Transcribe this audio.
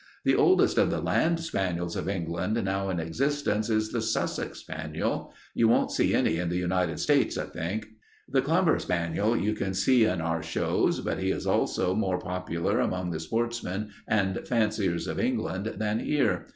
The oldest of the land spaniels of England now in existence is the Sussex spaniel. You won't see any in the United States, I think. "The clumber spaniel you can see in our shows, but he also is more popular among the sportsmen and fanciers of England than here.